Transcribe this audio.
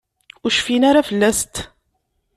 Ur cfin ara fell-asent.